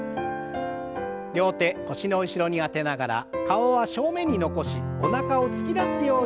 両手腰の後ろに当てながら顔は正面に残しおなかを突き出すようにして